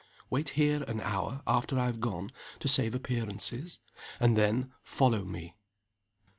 Wait here an hour after I have gone to save appearances; and then follow me."